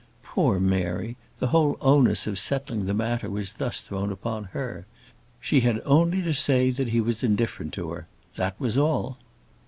Poor Mary! the whole onus of settling the matter was thus thrown upon her. She had only to say that he was indifferent to her; that was all.